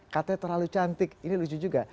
katanya terlalu cantik ini lucu juga